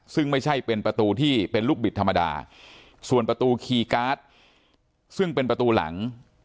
ซึ่งไม่ใช่เป็นประตูที่เป็นลูกบิดธรรมดาส่วนประตูคีย์การ์ดซึ่งเป็นประตูหลัง